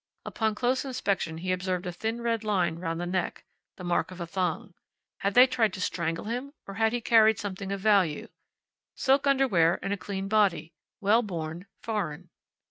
Upon close inspection he observed a thin red line round the neck the mark of a thong. Had they tried to strangle him or had he carried something of value? Silk underwear and a clean body; well born; foreign.